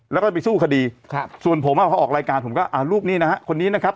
แล้วก็ไปสู้คดีครับส่วนผมอ่ะพอออกรายการผมก็อ่ารูปนี้นะฮะคนนี้นะครับ